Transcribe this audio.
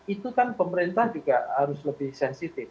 itu kan pemerintah juga harus lebih sensitif